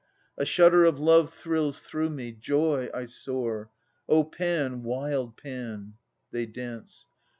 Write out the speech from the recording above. A shudder of love thrills through me. Joy ! I soar. O Pan, wild Pan! [They dance.